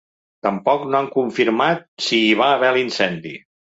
Tampoc no han confirmat si hi va haver l’incendi.